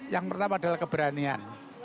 yang pertama adalah keberanian